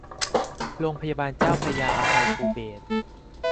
โรงพยาบาลเจ้าพระยาอภัยภูเบศร